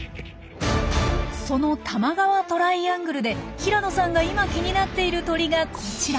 その多摩川トライアングルで平野さんが今気になっている鳥がこちら。